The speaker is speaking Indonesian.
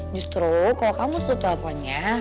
justru kalau kamu tutup teleponnya